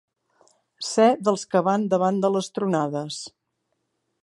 Ser dels que van davant de les tronades.